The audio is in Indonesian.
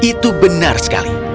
itu benar sekali